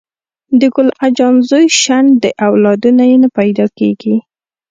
د ګل اجان زوی شنډ دې اولادونه یي نه پیداکیږي